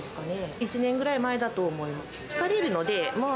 １年ぐらい前だと思います。